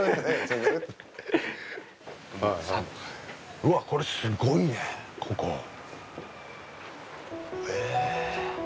うわっこれすごいねここ。え。